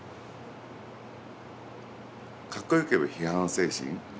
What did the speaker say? かっこよく言えば批判精神。